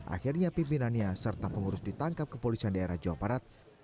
akhirnya pimpinannya serta pengurus ditangkap kepolisian daerah jawa barat